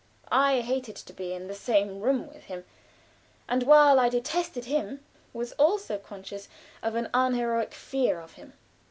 I hated to be in the same room with him, and while I detested him, was also conscious of an unheroic fear of him.